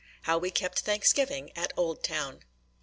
HOW WE KEPT THANKSGIVING AT OLDTOWN.